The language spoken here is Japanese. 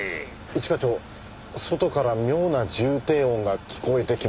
一課長外から妙な重低音が聞こえてきます。